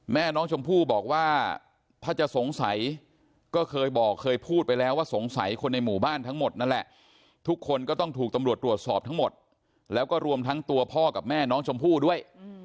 แม่น้องชมพู่บอกว่าถ้าจะสงสัยก็เคยบอกเคยพูดไปแล้วว่าสงสัยคนในหมู่บ้านทั้งหมดนั่นแหละทุกคนก็ต้องถูกตำรวจตรวจสอบทั้งหมดแล้วก็รวมทั้งตัวพ่อกับแม่น้องชมพู่ด้วย